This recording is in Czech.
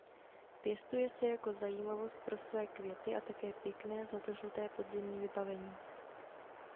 Pěstuje se jako zajímavost pro své květy a také pěkné zlatožluté podzimní vybavení.